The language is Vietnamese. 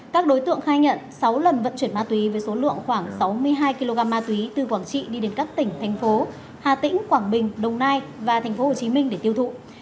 các đối tượng khai nhận sáu lần vận chuyển ma túy với số lượng khoảng sáu mươi hai kg ma túy từ quảng trị đi đến các tỉnh thành phố hà tĩnh quảng bình đông nai và thành phố hồ chí minh để tiêu thụ